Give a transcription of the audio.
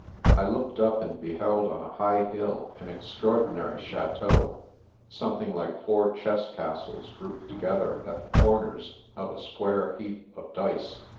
I looked up and beheld on a high hill an extraor dinary chateau, something like four chess castles grouped together at the corners of a square heap of dice.